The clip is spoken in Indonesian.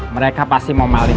mereka pasti mau maling